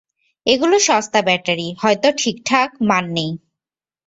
এগুলো সস্তা ব্যাটারি, হয়তো ঠিকঠাক মান নেই।